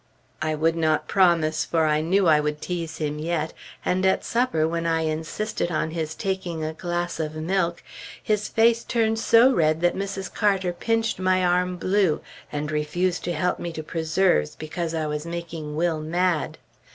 I would not promise, for I knew I would tease him yet; and at supper, when I insisted on his taking a glass of milk, his face turned so red that Mrs. Carter pinched my arm blue, and refused to help me to preserves because I was making Will mad!